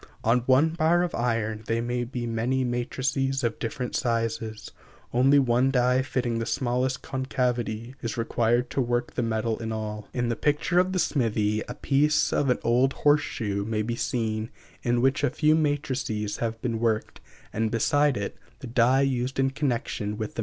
On one bar of iron there may be many matrices of different sizes, only one die fitting the smallest concavity, is required to work the metal in all. In the picture of the smithy (Pl. XVII, in the right lower corner beside the tin plate), a piece of an old horse shoe may be seen in which a few matrices have been worked, and, beside it, the die used in connection with the matrices.